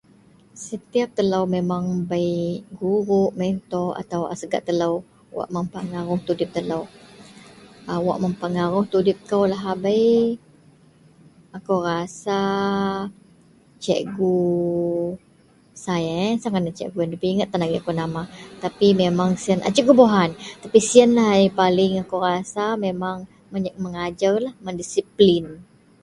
Setiyap telou memang bei guruk, mentor wak segak telou, wak mempengaruhi tudip telou. Awak mempengaruhi tudip kou lahabei akou rasa cikgu, sai eh sai ngadan cikgu yen, nda bei inget tan agei akou nama tapi memang sien a Cikgu Borhan. Siyenlah paling akou rasa mengajer, mendisiplin